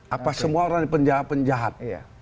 apa semua orang penjahat penjahat